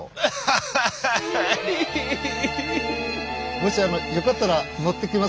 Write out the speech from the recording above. もしあのよかったら乗っていきます？